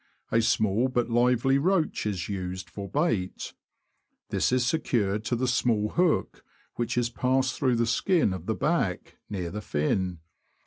A small but lively roach is used for bait ; this is secured to the small hook, which is passed through the skin of the back, near the fin.